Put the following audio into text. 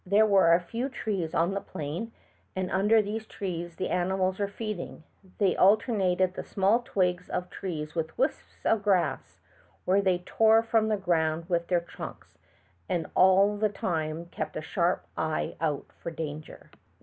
There were a few trees on the plain, and under these trees the animals were feeding; they alternated the small twigs of the trees with wisps of grass, which they tore from the ground with their trunks, and all the time kept a sharp eye out for danger.